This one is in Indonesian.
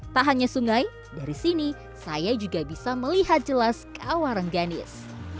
tak hanya sungai dari sini saya juga bisa melihat jelas kawah rengganis